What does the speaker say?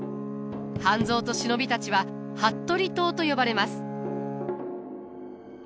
半蔵と忍びたちは服部党と呼ばれます。